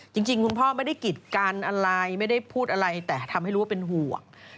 จริงคุณพ่อไม่ได้กิดกันอะไรไม่ได้พูดอะไรแต่ทำให้รู้ว่าเป็นห่วง